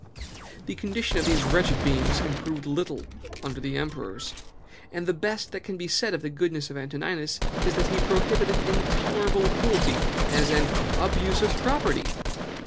"The condition of these wretched beings improved but little under the emperors; and the best that can be said of the goodness of Antoninus is that he prohibited intolerable cruelty, as an ABUSE OF PROPERTY.